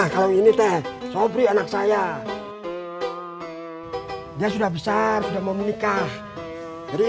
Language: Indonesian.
kalau ini teh sobri anak saya dia sudah besar sudah mau menikah jadi